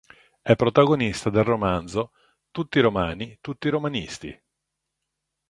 È protagonista del romanzo "Tutti romani, tutti Romanisti".